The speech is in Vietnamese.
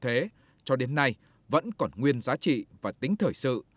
thế cho đến nay vẫn còn nguyên giá trị và tính thời sự